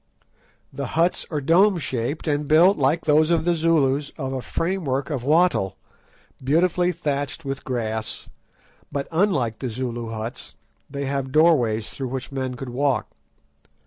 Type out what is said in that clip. The huts are dome shaped, and built, like those of the Zulus, of a framework of wattle, beautifully thatched with grass; but, unlike the Zulu huts, they have doorways through which men could walk.